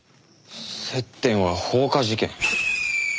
接点は放火事件？